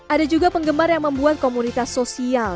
ada juga penggemar yang membuat komunitas sosial